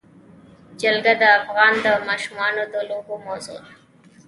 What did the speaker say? جلګه د افغان ماشومانو د لوبو موضوع ده.